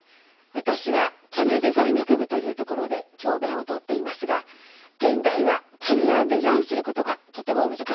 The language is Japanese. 私はキャリアデザイン学部というところで教べんを執っていますが現代はキャリアをデザインすることがとても難しい状況にあると感じています。